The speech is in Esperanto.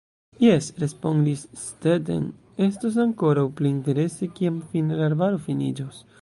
Jes, respondis Stetten, estos ankoraŭ pli interese, kiam fine la arbaro finiĝos.